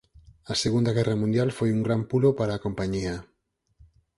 A Segunda Guerra Mundial foi un gran pulo para a compañía.